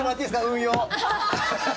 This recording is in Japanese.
運用。